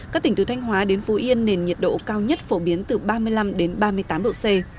các tỉnh từ thanh hóa đến phú yên nền nhiệt độ cao nhất phổ biến từ ba mươi năm ba mươi tám độ c